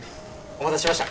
お待たせしました。